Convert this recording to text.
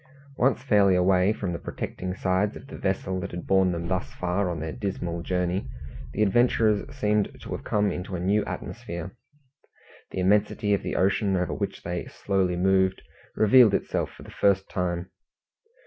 Once fairly away from the protecting sides of the vessel that had borne them thus far on their dismal journey, the adventurers seemed to have come into a new atmosphere. The immensity of the ocean over which they slowly moved revealed itself for the first time.